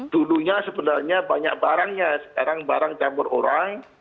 dulunya sebenarnya banyak barangnya sekarang barang campur orang